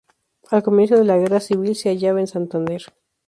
Al comienzo de la Guerra Civil se hallaba en Santander.